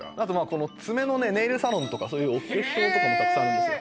この爪のネイルサロンとかお化粧とかもたくさんあるんです